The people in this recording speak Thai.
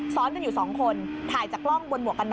ซ้อนกันอยู่สองคนถ่ายจากกล้องบนหวกกันน็